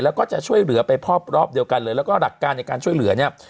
แล้วก็จะช่วยเหลือไปรอบเดียวกันเลยแล้วก็หลักการในการช่วยเหลือเนี่ย